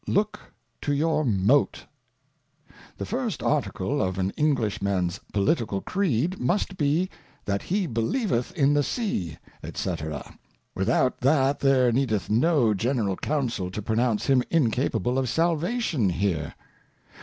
Look to your Moate. The first Article of an English mans Political Creed must be, That he believeth in the Sea, 4"C. without that there needeth no General Council to pronounce him incapable of Salvation here.